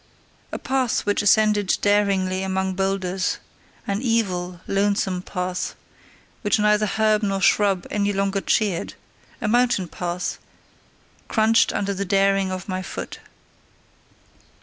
A path which ascended daringly among boulders, an evil, lonesome path, which neither herb nor shrub any longer cheered, a mountain path, crunched under the daring of my foot.